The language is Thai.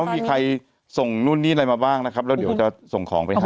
มีใครส่งนู่นนี่อะไรมาบ้างนะครับแล้วเดี๋ยวจะส่งของไปให้